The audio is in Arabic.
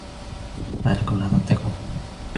مَا لَكُمْ لَا تَنْطِقُونَ